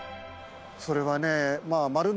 それはね。